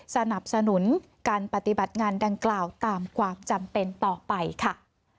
สนับสนุนการปฏิบัติงานดังกล่าวตามความจำเป็นต่อไปค่ะ